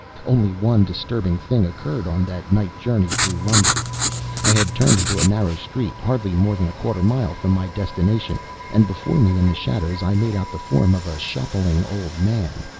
Only one disturbing thing occurred on that night journey through London. I had turned into a narrow street hardly more than a quarter mile from my destination; and before me, in the shadows, I made out the form of a shuffling old man.